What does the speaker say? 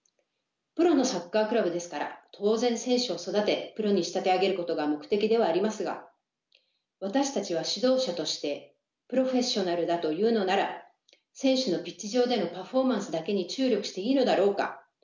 プロのサッカークラブですから当然選手を育てプロに仕立て上げることが目的ではありますが私たちは指導者としてプロフェッショナルだというのなら選手のピッチ上でのパフォーマンスだけに注力していいのだろうか？